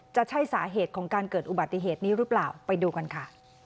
จะใช่สาเหตุของการเกิดอุบัติเหตุนี้หรือเปล่าไปดูกันค่ะ